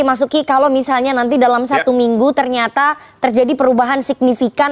mas uki kalau misalnya nanti dalam satu minggu ternyata terjadi perubahan signifikan